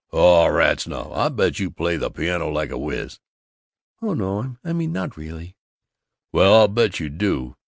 "Oh, rats now! I bet you play the piano like a wiz." "Oh, no I mean not really." "Well, I'll bet you do!"